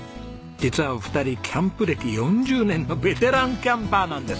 実は２人キャンプ歴４０年のベテランキャンパーなんです。